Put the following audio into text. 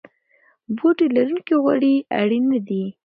بوټي لرونکي غوړي اړین نه دي.